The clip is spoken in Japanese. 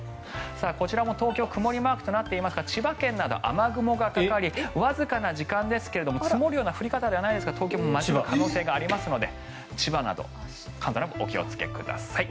こちらも東京曇りマークとなっていますが千葉県など雨雲がかかりわずかな時間ですが積もるような降り方ではないですが東京も交じるかもしれませんので千葉など関東の方お気をつけください。